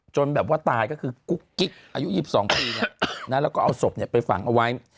แบบว่าตายก็คือกุ๊กกิ๊กอายุ๒๒ปีแล้วก็เอาศพไปฝังเอาไว้